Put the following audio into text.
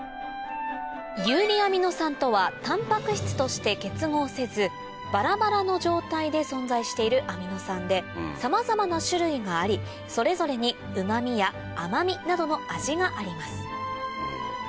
遊離アミノ酸とはタンパク質として結合せずバラバラの状態で存在しているアミノ酸でさまざまな種類がありそれぞれにうま味や甘味などの味があります